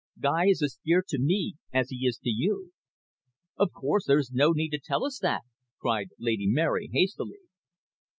Guy is as dear to me as he is to you." "Of course, there is no need to tell us that," cried Lady Mary hastily.